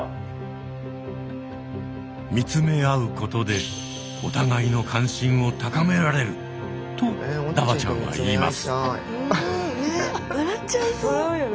見つめ合うことでお互いの関心を高められるとダバちゃんは言います。